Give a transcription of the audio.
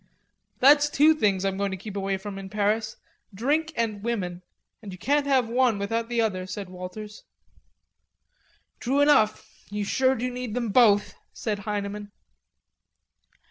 "That's two things I'm going to keep away from in Paris; drink and women.... And you can't have one without the other," said Walters. "True enough.... You sure do need them both," said Heineman.